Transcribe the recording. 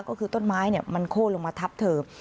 ก็คือต้นไม้มันโค้นลงมาทับเธอ